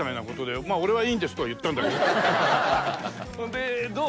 で「どう？